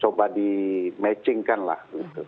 coba di matchingkan lah